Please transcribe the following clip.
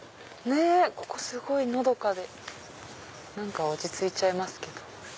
ここすごいのどかで落ち着いちゃいますけど。